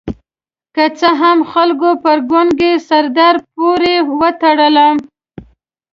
که څه هم خلکو پر ګونګي سردار پورې وتړلم.